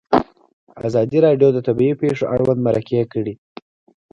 ازادي راډیو د طبیعي پېښې اړوند مرکې کړي.